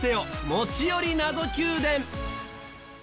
『持ち寄り謎Ｑ殿』。